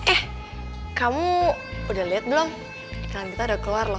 eh kamu udah liat belum iklan kita udah keluar lho